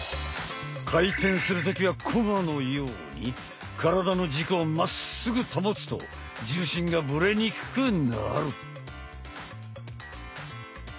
回転する時はコマのように体の軸をまっすぐ保つと重心がブレにくくなる。